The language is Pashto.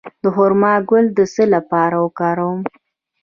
د خرما ګل د څه لپاره وکاروم؟